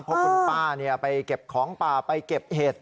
เพราะคุณป้าไปเก็บของป่าไปเก็บเห็ด